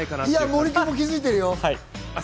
森君も気づいてるよ。